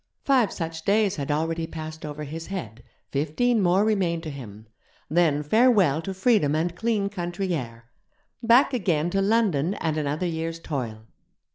Five such days had already passed over his head, fifteen more remained to him. Then farewell to freedom and clean country air! Back again to London and another year's toil.